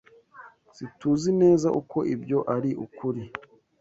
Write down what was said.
SiTUZI neza uko ibyo ari ukuri.